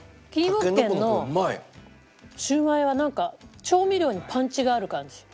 崎陽軒のシウマイはなんか調味料にパンチがある感じ。